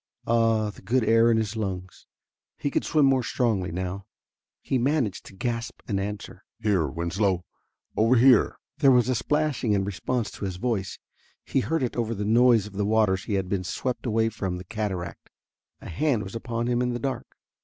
Ah, the good air in his lungs he could swim more strongly now. He managed to gasp an answer: "Here, Winslow, over here!" There was a splashing in response to his voice. He heard it over the noise of the waters he had been swept away from the cataract. A hand was upon him in the dark.